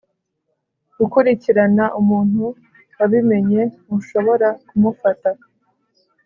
Gukurikirana umuntu wabimenye ntushobora ku mufata